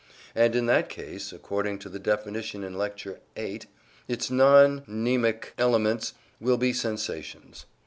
And in that case, according to the definition in Lecture VIII, its non mnemic elements will be sensations.